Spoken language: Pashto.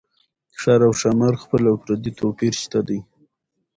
ښار او ښامار خپل او پردي توپير شته دي